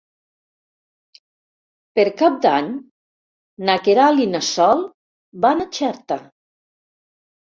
Per Cap d'Any na Queralt i na Sol van a Xerta.